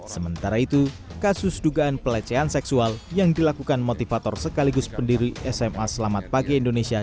sementara itu kasus dugaan pelecehan seksual yang dilakukan motivator sekaligus pendiri sma selamat pagi indonesia